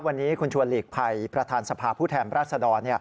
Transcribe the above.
วันนี้คุณชวนหลีกภัยประธานสภาพผู้แทนราชดร